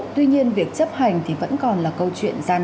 tuy nhiên việc chấp hành thì vẫn còn là câu chuyện gian